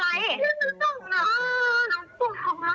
หนูต้องนะ